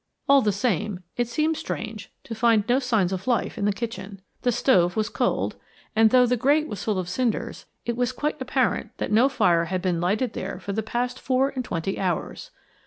All the same, it seemed strange to find no signs of life in the kitchen. The stove was cold, and though the grate was full of cinders, it was quite apparent that no fire had been lighted there for the past four and twenty hours.